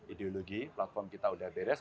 ideologi platform kita udah beres